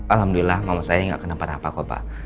alhamdulillah mama saya enggak kena parah apa pak